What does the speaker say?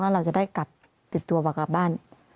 แล้วเราจะได้กลับติดตัวกลับกลับบ้าน